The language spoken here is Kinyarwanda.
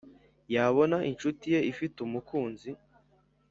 yabona inshuti ye ifite umukunzi